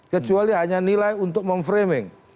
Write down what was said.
kecuali hanya nilai untuk memframing